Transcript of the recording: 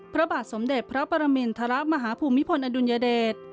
พระบาทสมเด็จพระปรมินทรมาฮภูมิพลอดุลยเดช